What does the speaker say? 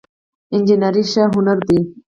انجينري ښه هنر دی